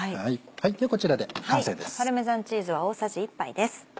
ではこちらで完成です。